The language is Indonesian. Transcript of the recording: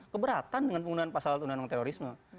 keberatan dengan penggunaan pasal undang undang terorisme